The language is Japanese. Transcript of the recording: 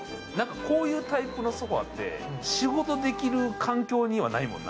こういうタイプのソファーって仕事できる環境にないもんな。